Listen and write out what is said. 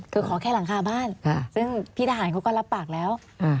คือขอแค่หลังคาบ้านซึ่งพี่ทหารเขาก็รับปากแล้ว